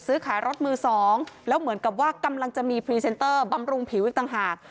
ซื้อขายรถมือสองแล้วเหมือนกับว่ากำลังจะมีพรีเซนเตอร์บำรุงผิวอีกต่างหาก